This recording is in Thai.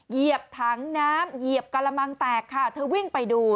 เหยียบถังน้ำเหยียบกระมังแตกค่ะเธอวิ่งไปดู